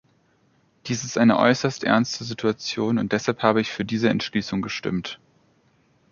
Dies ist eine äußerst ernste Situation, und deshalb habe ich für diese Entschließung gestimmt.